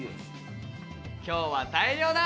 今日は大漁だ。